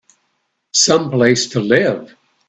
Some place to live!